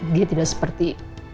dia tidak seperti